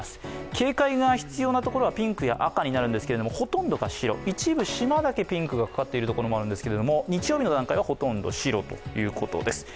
警戒が必要なところはピンクや赤になるんですけれども、ほとんどが白、一部島だけピンクがかかっているところがあるんですけれども、日曜日の段階はほとんど白ということです。